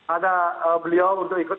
ada beliau untuk ikut